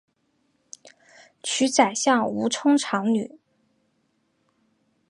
娶宰相吴充长女。